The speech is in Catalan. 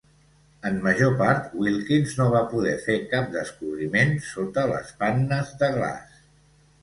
En major part, Wilkins no va poder fer cap descobriment sota les pannes de glaç.